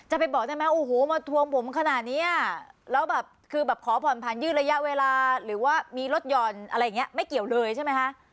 โหมาถวงผมขนาดนี้แล้วแบบก็แบบขอผ่อนพันธุ์ยืดระยะเวลาหรือว่ามีรถยอดอะไรงี้ไม่เกี่ยวเลยใช่ไหมคะ